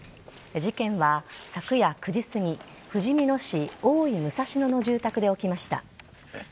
事件は昨夜９時すぎふじみ野市大井武蔵野の住宅で起きました。